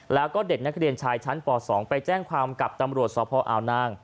แล้วก็เด็กนักเรียนชายชั้นป๒ไปแจ้งความกับตำรวจสพออาวนาง